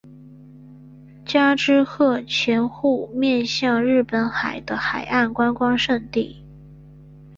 加贺之潜户面向日本海的海岸观光胜地。